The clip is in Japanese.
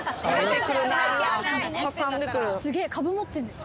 すげぇ株持ってんです。